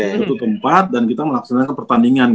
satu tempat dan kita melaksanakan pertandingan